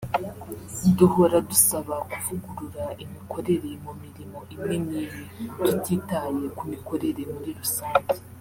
duhora dusaba kuvugurura imikorere mu mirimo imwe n’imwe tutitaye ku mikorere muri rusange